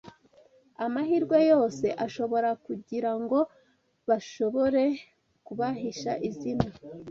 amahirwe yose ashoboka kugira ngo bashobore kubahisha izina